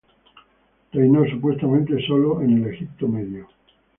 Reinó supuestamente sólo en el Egipto Medio.